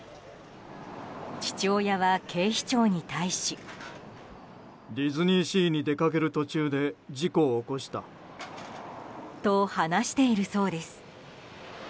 父親は警視庁に対し。ディズニーシーに出かける途中で事故を起こした。と、話しているそうです。